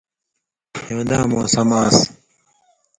ہِون٘داں موسم آن٘س